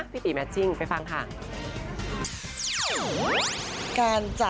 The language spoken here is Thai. พี่ตี๋คงจะเป็นลมนะคะ